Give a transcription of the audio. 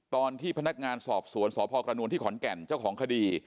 ตอนที่พนักงานสอบสวนสพกระนวลที่ขอนแก่นเจ้าของคดี